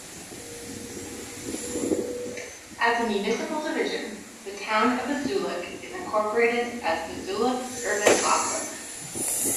As a municipal division, the Town of Buzuluk is incorporated as Buzuluk Urban Okrug.